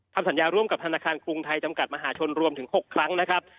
ทำสัญญาร่วมกับธนาคารกรุงไทยจำกัดมหาชนรวมถึง๖ครั้งนะครับ